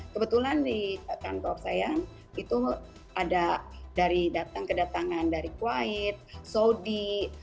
kebetulan di kantor saya itu ada dari datang kedatangan dari kuwait saudi